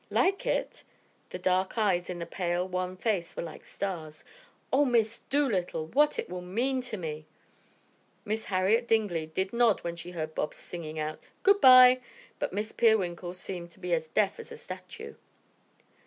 "Like it?" The dark eyes in the pale, wan face were like stars. "O, Miss Dolittle, what it will mean to me!" Miss Harriet Dingley did nod when she heard Bobs singing out "Good bye," but Miss Peerwinkle seemed to be as deaf as a statue.